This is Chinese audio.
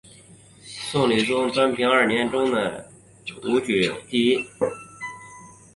宋理宗端平二年朱熠中武举第一。